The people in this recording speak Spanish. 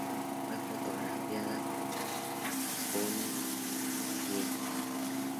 Fue fotografiada por Bunny Yeager.